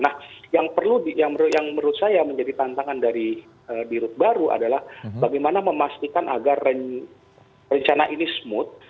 nah yang perlu yang menurut saya menjadi tantangan dari dirut baru adalah bagaimana memastikan agar rencana ini smooth